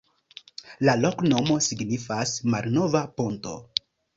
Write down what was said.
La loknomo signifas: malnova ponto.